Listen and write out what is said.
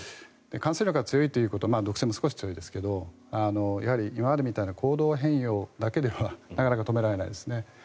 感染力が強いということと毒性も少し強いですがやはり今までみたいな行動変容だけではなかなか止められないですね。